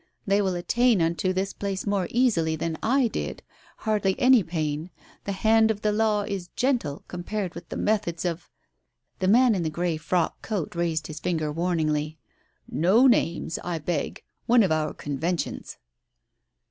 They will attain unto this place more easily than I did. Hardly any pain. The hand of the law is gentle, compared with the methods of " The man in the grey frock coat raised his finger warningly. "No names, I beg. One of our conven tions